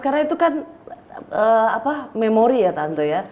karena itu kan memori ya tante ya